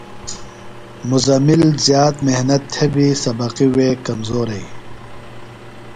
مزمل زیات محنت تھےۡ بیۡ سبقیۡ وے کمزورئی۔